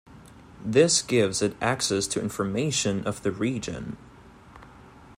This gives it access to information of the region.